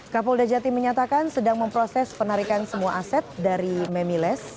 kapolda jati menyatakan sedang memproses penarikan semua aset dari memiles